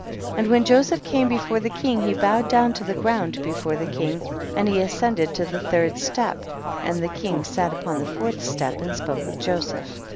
48. And when Joseph came before the king he bowed down to the ground before the king, and he as cended to the third step, and the king sat upon the fourth step and spoke with Joseph.